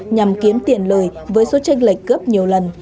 nhằm kiếm tiền lời với số tranh lệch gấp nhiều lần